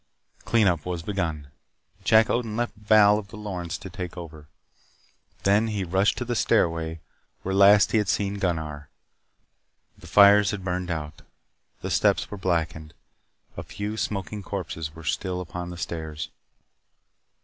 Clean up was begun. Jack Odin left Val of the Lorens to take over. Then he rushed to the stairway where last he had seen Gunnar. The fires had burned out. The steps were blackened. A few smoking corpses were still upon the stairs.